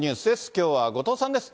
きょうは後藤さんです。